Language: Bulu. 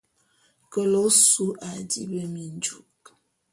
Kele ôsu a dibi minjuk.